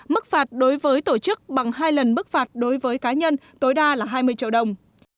mức phạt đối với tổ chức bằng hai lần mức phạt đối với cá nhân tối đa là hai mươi triệu đồng